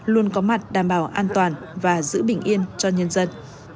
luôn có mặt đảm bảo an toàn và giữ bình yên cho nhân dân